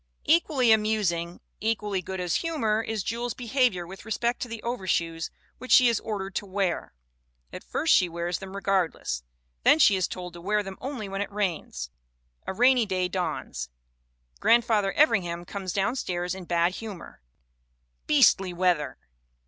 Equally amusing, equally good as humor, is Jewel's behavior with respect to the overshoes which she is ordered to wear. At first she wears them regardless. Then she is told to wear them only when it rains. A rainy day dawns. Grandfather Evringham comes downstairs in bad humor. " 'Beastly weather.'